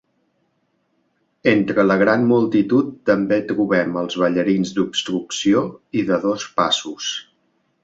Entre la gran multitud també trobem els ballarins d"obstrucció i de dos passos.